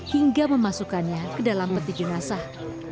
hingga memasukkannya ke dalam peti jenazah